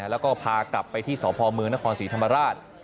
แล้วก็พากลับไปที่สพเมืองนครศรีธรรมราช